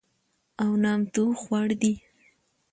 او نامتو خواړه دي،